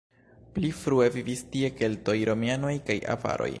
Pli frue vivis tie keltoj, romianoj kaj avaroj.